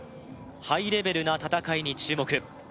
ハイレベルな戦いに注目